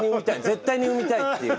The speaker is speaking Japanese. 絶対に生みたいっていうことで。